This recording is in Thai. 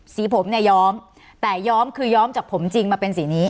สีผมเนี่ยย้อมแต่ย้อมคือย้อมจากผมจริงมาเป็นสีนี้